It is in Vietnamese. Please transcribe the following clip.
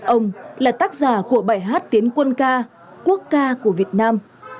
ông là tác giả của bài hát tiến quân ca quốc ca của việt nam